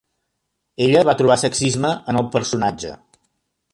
Ella va trobar sexisme en el personatge.